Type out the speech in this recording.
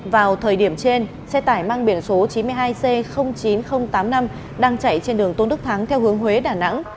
vào thời điểm trên xe tải mang biển số chín mươi hai c chín nghìn tám mươi năm đang chạy trên đường tôn đức thắng theo hướng huế đà nẵng